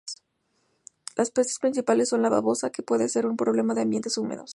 Las pestes principales son las babosas, que pueden ser un problema en ambientes húmedos.